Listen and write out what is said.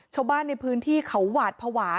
ชาวบ้านในพื้นที่เขาหวาดภาวะ